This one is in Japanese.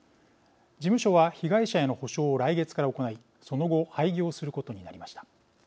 事務所は被害者への補償を来月から行いその後廃業することになりました。